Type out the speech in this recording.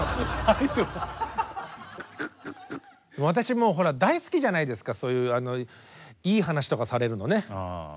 私もうほら大好きじゃないですかそういういい話とかされるのね。